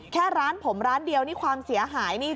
แค่ร้านผมร้านเดียวนี่ความเสียหายนี่